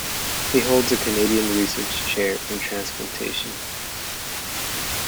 He holds a Canadian Research Chair in transplantation.